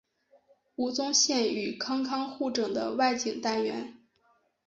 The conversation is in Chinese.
吴宗宪与康康互整的外景单元。